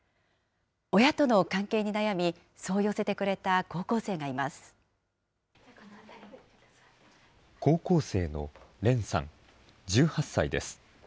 親との関係に悩み、そう寄せてく高校生のれんさん１８歳です。